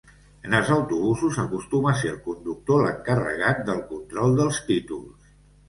En els autobusos acostuma a ser el conductor l'encarregat del control dels títols.